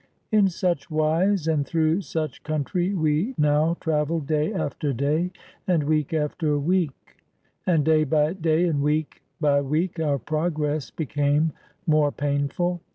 In such wise and through such country we now traveled day after day and week after week. And day by day and week by week our progress became more painful.